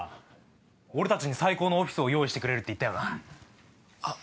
俺達に最高のオフィスを用意してくれるって言ったよなあっ